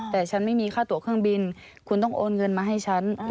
แต่ฉันไม่มีค่าตัวเครื่องบินคุณต้องโอนเงินมาให้ฉัน